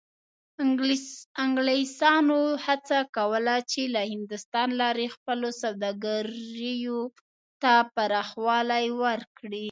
انګلیسانو هڅه کوله چې له هندوستان لارې خپلو سوداګریو ته پراخوالی ورکړي.